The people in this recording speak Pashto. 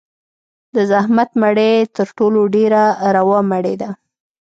د زحمت مړۍ تر ټولو ډېره روا مړۍ ده.